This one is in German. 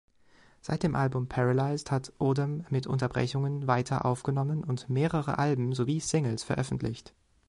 Seit dem Album „Paralyzed“ hat Odam mit Unterbrechungen weiter aufgenommen und mehrere Alben sowie Singles veröffentlicht.